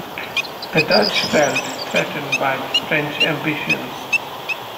The Dutch felt threatened by the French ambitions.